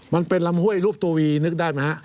มันเป็นลำห้วยรูปตัววีนึกได้ไหมฮะ